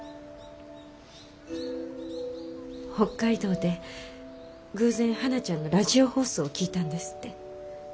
北海道で偶然はなちゃんのラジオ放送を聞いたんですって。